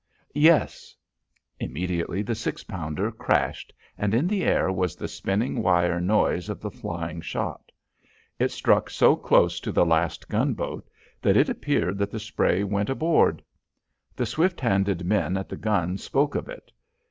"Yes." Immediately the six pounder crashed, and in the air was the spinning wire noise of the flying shot. It struck so close to the last gunboat that it appeared that the spray went aboard. The swift handed men at the gun spoke of it.